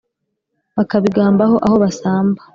bakabigambaho aho basamba